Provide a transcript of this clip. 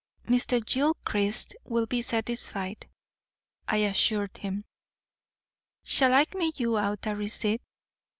'Mr. Gilchrist will be satisfied,' I assured him. 'Shall I make you out a receipt?'